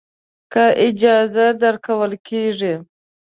که اجازه درکول کېږي.